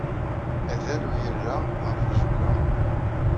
Adal ur yerra ɣef uzeggaɣ.